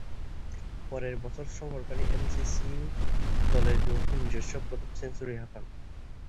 পরের বছর সফরকারী এমসিসি দলের বিপক্ষে নিজস্ব প্রথম সেঞ্চুরি হাঁকান।